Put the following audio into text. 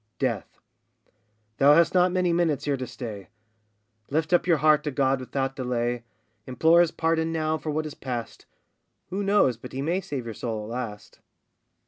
DEATH. Thou hast not many minutes here to stay, Lift up your heart to God without delay, Implore his pardon now for what is past, Who knows but He may save your soul at last?